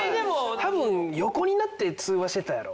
多分横になって通話してたやろ。